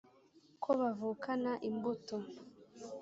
ko bavukana imbuto